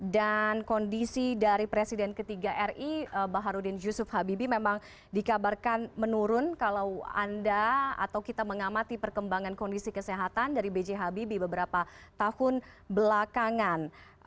dan kondisi dari presiden ke tiga ri baharudin yusuf habibi memang dikabarkan menurun kalau anda atau kita mengamati perkembangan kondisi kesehatan dari b j habibi beberapa tahun belakangan